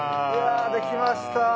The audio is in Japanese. いやできました。